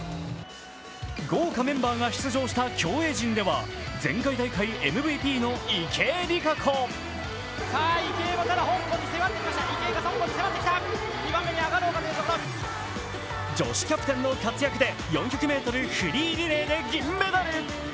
豪華メンバーが出場した競泳陣では、前回大会ＭＶＰの池江璃花子。女子キャプテンの活躍で４００ｍフリーリレーで銀メダル。